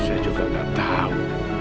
saya juga nggak tahu